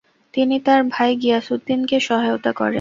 তিনি তার ভাই গিয়াসউদ্দিনকে সহায়তা করেন।